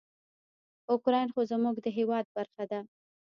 اوکراین خو زموږ د هیواد برخه ده.